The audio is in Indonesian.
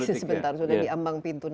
sudah diambang pintu